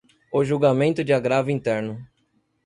o julgamento de agravo interno;